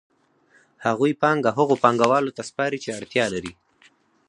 هغوی پانګه هغو پانګوالو ته سپاري چې اړتیا لري